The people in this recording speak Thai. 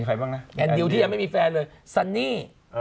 อันนเลวที่ยังไม่มีแฟนเลยซันนี่